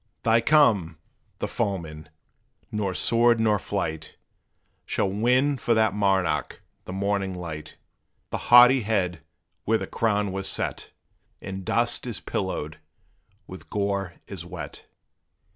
They come! the foemen nor sword nor flight, Shall win for that monarch the morning light! The haughty head where the crown was set, In dust is pillowed with gore is wet!